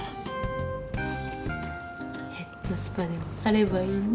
ヘッドスパでもあればいいね。